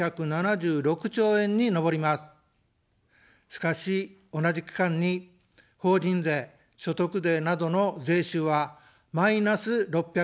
しかし、同じ期間に法人税、所得税などの税収はマイナス６１３兆円です。